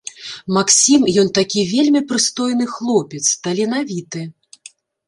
Максім, ён такі вельмі прыстойны хлопец, таленавіты.